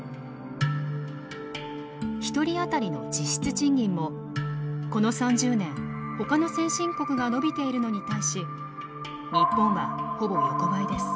１人当たりの実質賃金もこの３０年ほかの先進国が伸びているのに対し日本はほぼ横ばいです。